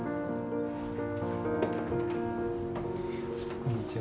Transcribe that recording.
こんにちは。